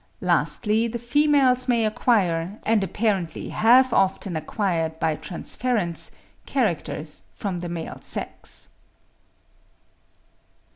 Lastly, the females may acquire, and apparently have often acquired by transference, characters from the male sex.